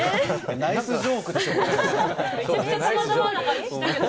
ナイスジョークでしょ、これ。